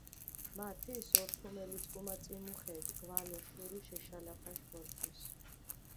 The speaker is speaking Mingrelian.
მა თის ორთუმელწკუმა წიმუხედი გვალო შურიშ ეშალაფაშ ბორჯის.